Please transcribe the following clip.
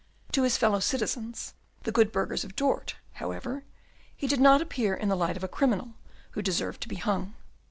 To his fellow citizens, the good burghers of Dort, however, he did not appear in the light of a criminal who deserved to be hung.